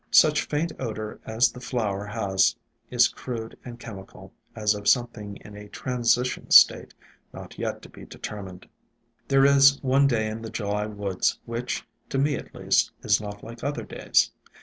Such faint odor as the flower has is crude and chemical, as of something in a transi tion state, not yet to be determined. There is one day in the July woods which, to me at least, is not like other days.